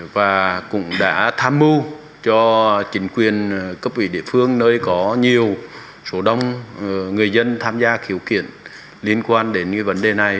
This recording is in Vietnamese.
và cũng đã tham mưu cho chính quyền cấp ủy địa phương nơi có nhiều số đông người dân tham gia khiếu kiện liên quan đến vấn đề này